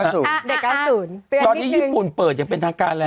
ตอนนี้ญี่ปุ่นเปิดอย่างเป็นทางการแล้ว